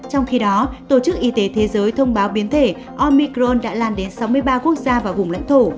trong khi đó tổ chức y tế thế giới thông báo biến thể omicron đã lan đến sáu mươi ba quốc gia và vùng lãnh thổ